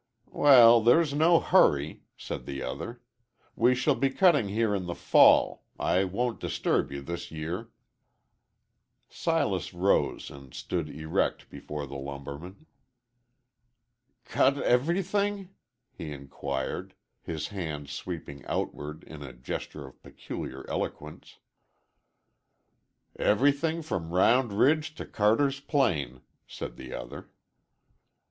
"Well, there's no hurry," said the other. "We shall be cutting here in the fall. I won't disturb you this year." Silas rose and stood erect before the lumberman. "Cut everyth thing?" he inquired, his hand sweeping outward in a gesture of peculiar eloquence. "Everything from Round Ridge to Carter's Plain," said the other.